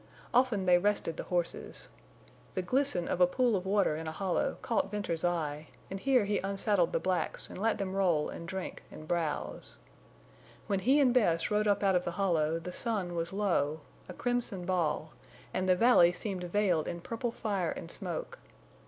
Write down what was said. Often they rested the horses. The glisten of a pool of water in a hollow caught Venters's eye, and here he unsaddled the blacks and let them roll and drink and browse. When he and Bess rode up out of the hollow the sun was low, a crimson ball, and the valley seemed veiled in purple fire and smoke.